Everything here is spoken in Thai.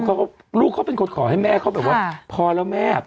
ผมเขาไม่เอาแล้วลูกเขาเป็นคนขอให้แม่เขาบอกว่าพอแล้วแม่